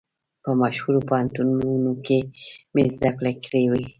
په مشهورو پوهنتونو کې مې زده کړې کړې وې.